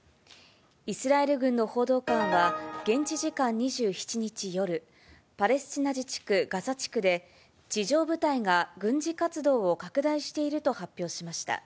イスラエル軍の報道官は、現地時間２７日夜、パレスチナ自治区ガザ地区で、地上部隊が軍事活動を拡大していると発表しました。